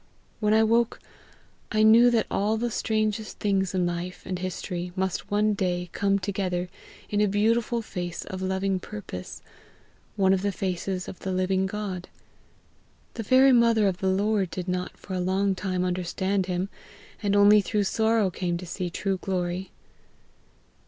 When I woke, I knew that all the strangest things in life and history must one day come together in a beautiful face of loving purpose, one of the faces of the living God. The very mother of the Lord did not for a long time understand him, and only through sorrow came to see true glory.